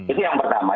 itu yang pertama